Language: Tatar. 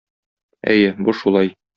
Әйе, бу шулай.